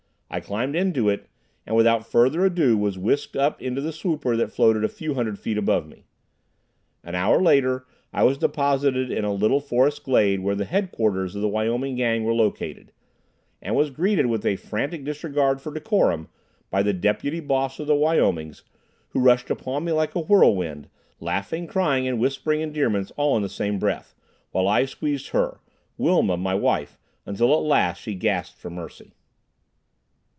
I climbed into it, and without further ado was whisked up into the swooper that floated a few hundred feet above me. A half an hour later I was deposited in a little forest glade where the headquarters of the Wyoming Gang were located, and was greeted with a frantic disregard for decorum by the Deputy Boss of the Wyomings, who rushed upon me like a whirlwind, laughing, crying and whispering endearments all in the same breath, while I squeezed her, Wilma, my wife, until at last she gasped for mercy.